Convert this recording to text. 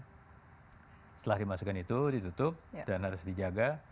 setelah dimasukkan itu ditutup dan harus dijaga